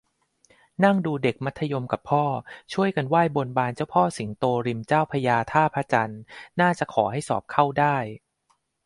นั่งดูเด็กมัธยมกับพ่อ ช่วยกันไหว้บนบานเจ้าพ่อสิงโตริมเจ้าพระยาท่าพระจันทร์ น่าจะขอให้สอบเข้าได้